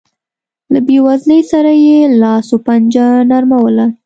له بېوزلۍ سره یې لاس و پنجه نرموله.